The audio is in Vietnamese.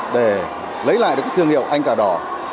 để lấy lại được thương hiệu anh cả đỏ